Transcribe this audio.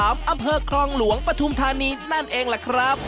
อำเภอคลองหลวงปฐุมธานีนั่นเองล่ะครับ